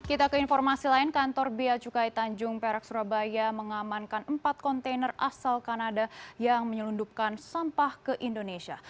kita ke informasi lain kantor bia cukai tanjung perak surabaya mengamankan empat kontainer asal kanada yang menyelundupkan sampah ke indonesia